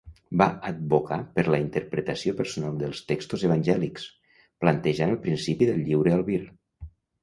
Va advocar per la interpretació personal dels textos evangèlics, plantejant el principi del lliure albir.